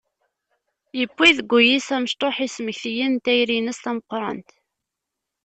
Yewwi deg wul-is amecṭuḥ ismektiyen n tayri-ines tameqqrant.